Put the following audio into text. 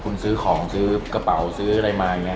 คุณซื้อของซื้อกระเป๋าซื้ออะไรมาอย่างนี้